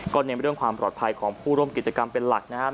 เน้นเรื่องความปลอดภัยของผู้ร่วมกิจกรรมเป็นหลักนะครับ